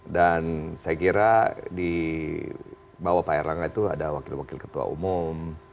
dan saya kira di bawah pak erlang itu ada wakil wakil ketua umum